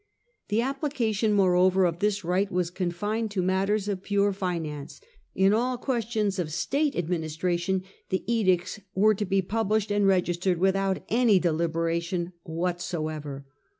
The applica tion moreover of this right was confined to matters of pure finance ; in all questions of State administration the edicts were to be published and registered without any deliberation whatsoever.